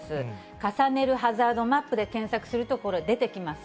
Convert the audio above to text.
重ねるハザードマップで検索すると、これ、出てきます。